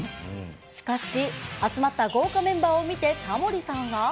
しかし、集まった豪華メンバーを見て、タモリさんは。